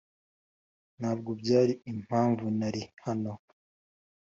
ntabwo byari impamvu nari hano.